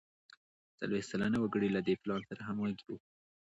څلوېښت سلنه وګړي له دې پلان سره همغږي وو.